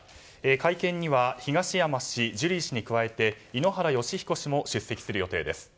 会見には東山氏ジュリー氏に加えて井ノ原快彦氏も出席する予定です。